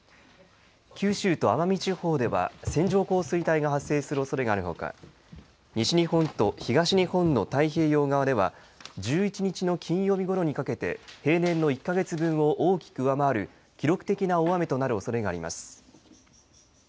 九州と奄美地方では線状降水帯が発生するおそれがあるほか西日本と東日本の太平洋側では１１日の金曜日ごろにかけて平年の１か月分を大きく上回る記録的な大雨となるおそれがあります。